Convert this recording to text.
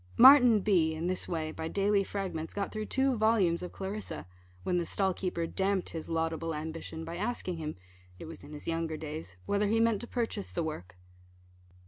Martin B , in this way, by daily fragments, got through two volumes of Clarissa, when the stall keeper damped his laudable ambition, by asking him (it was in his younger days) whether he meant to purchase the work.